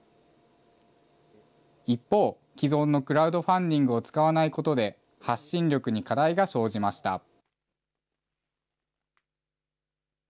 一方、既存のクラウドファンディングを使わないことで、発信力に課題が生じました。